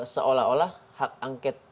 seolah olah hak angket